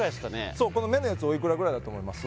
そうこの目のやつおいくらぐらいだと思います？